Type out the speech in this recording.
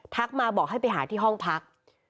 มาบอกให้ไปหาที่ห้องพัก